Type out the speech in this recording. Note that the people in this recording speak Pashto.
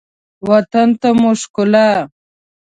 وطن ته مو ښکلا